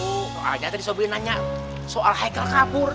soalnya tadi sobri nanya soal haikal kabur